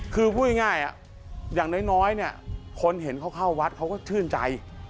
คือพูดง่ายอย่างน้อยเนี่ยคนเห็นเขาเข้าวัดเขาก็ชื่นใจ